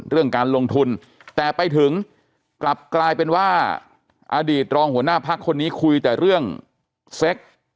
เรื่องการลงทุนแต่ไปถึงกลับกลายเป็นว่าอดีตรองหัวหน้าพักคนนี้คุยแต่เรื่องเซ็ก